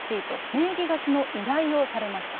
名義貸しの依頼をされました。